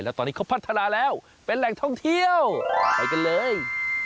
แล้วตอนนี้เขาพัฒนาแล้วเป็นแหล่งท่องเที่ยวไปกันเลย